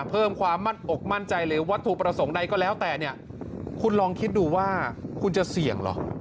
เพิ่มความออกมั่นใจเลยว่าถูกประสงค์ใดก็แล้วแต่เนี้ย